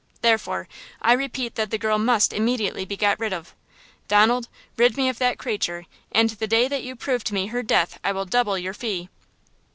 Therefore, I repeat that the girl must immediately be got rid of! Donald, rid me of that creature and the day that you prove to me her death I will double your fee!"